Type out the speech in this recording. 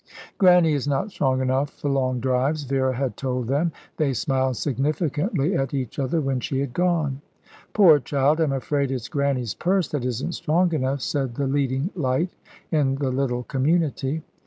"Grannie is not strong enough for long drives," Vera had told them. They smiled significantly at each other when she had gone. "Poor child! I'm afraid it's Grannie's purse that isn't strong enough," said the leading light in the little community.